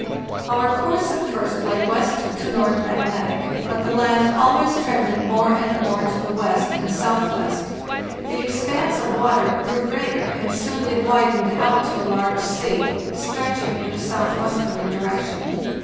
"Our course at first lay west to north (magnetic); but the land always trended more and more to the west and southwest; the expanse of water grew greater, and soon it widened out to a large sea, stretching in a south westerly direction.